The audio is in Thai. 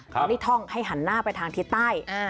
แล้วที่ท่องให้หันหน้าไปทางทีใต้